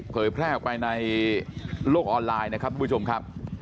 เผยแพร่ออกไปในโลกออนไลน์นะครับทุกผู้ชมครับ